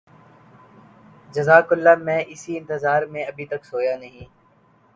جزاک اللہ میں اسی کے انتظار میں ابھی تک سویا نہیں